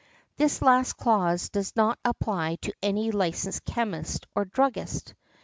(This last clause does not apply to any licensed chemist or druggist.)